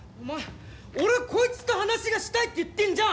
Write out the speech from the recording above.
「俺こいつと話がしたいって言ってんじゃん！」